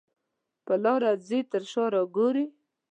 په لاره ځې تر شا را ګورې.